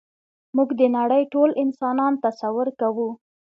موږ د نړۍ ټول انسانان تصور کوو.